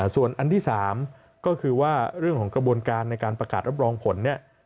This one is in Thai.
ส่วนอันที่๓ก็คือว่าเรื่องของกระบวนการในการประกาศรับรองผลเนี่ย